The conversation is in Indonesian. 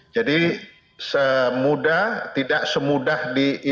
jadi semudah tidak semudah di